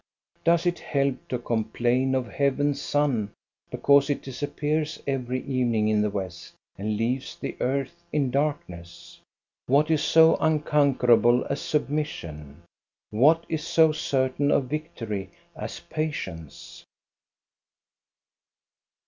Does it help to com plain of heaven's sun because it disappears every evening in the west, and leaves the earth in darkness? What is so unconquerable as submission? What is so certain of victory as patience?